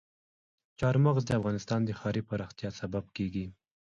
چار مغز د افغانستان د ښاري پراختیا سبب کېږي.